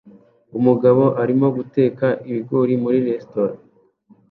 Umugabo arimo guteka ibigori muri resitora